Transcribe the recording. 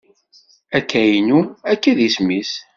Akaynu, akka i disem-is.